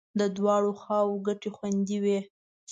د دواړو خواو ګټې خوندي وې.